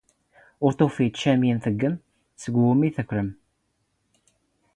ⵓⵔ ⵜⵓⴼⵉⴷ ⵛⴰ ⵎⵉⵏ ⵜⴻⵜⵜⴳⴳⵎ ⵙⴳ ⵡⵓⵎⵉ ⴷ ⵜⴽⴽⵔⵎ.